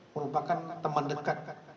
merupakan teman dekat